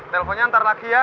teleponnya ntar lagi ya